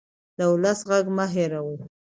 د ولس غږ مه هېروئ